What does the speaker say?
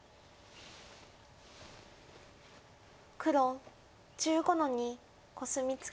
黒１５の二コスミツケ。